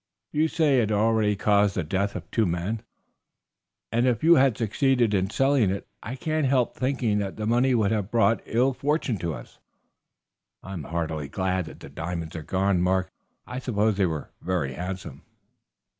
"You say it had already caused the death of two men, and if you had succeeded in selling it I can't help thinking that the money would have brought ill fortune to us. I am heartily glad that the diamonds are gone, Mark. I suppose they were very handsome?"